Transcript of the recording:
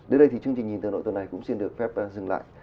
đến đây thì chương trình nhìn tờ nội tuần này cũng xin được phép dừng lại